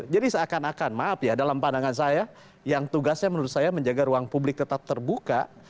jadi seakan akan maaf ya dalam pandangan saya yang tugasnya menurut saya menjaga ruang publik tetap terbuka